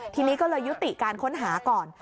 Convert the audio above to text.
ทีนี้ก็เลยยุติการค้นหาก่อน